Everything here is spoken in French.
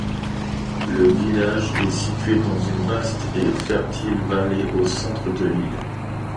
Le village est situé dans une vaste et fertile vallée au centre de l'île.